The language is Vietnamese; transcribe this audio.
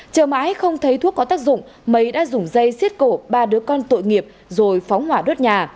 chờ mãi không thấy thuốc có tác dụng mấy đã dùng dây xiết cổ ba đứa con tội nghiệp rồi phóng hỏa đốt nhà